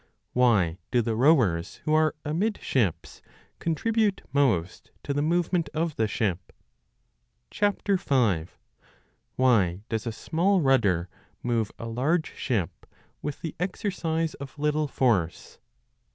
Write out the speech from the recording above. Why do the rowers who are amidships contribute most to the movement of the ship ? 5. Why does a small rudder move a large ship with the exercise of little force